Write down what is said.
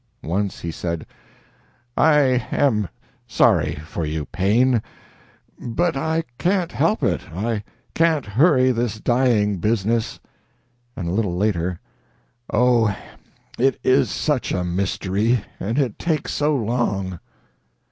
Once he said: "I am sorry for you, Paine, but I can't help it I can't hurry this dying business." And a little later: "Oh, it is such a mystery, and it takes so long!"